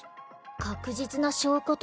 確実な証拠と。